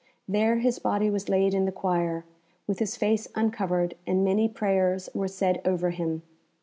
There his body was laid in the choir, with his face uncovered, and many prayers were said over him.